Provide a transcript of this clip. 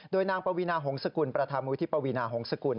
โดยนางปวีนาหงศกุลประธามมธิปวีนาหงศกุล